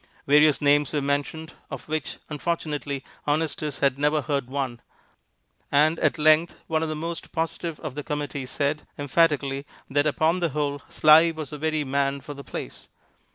Various names were mentioned, of which, unfortunately, Honestus had never heard one; and at length one of the most positive of the committee said, emphatically, that, upon the whole, Sly was the very man for the place.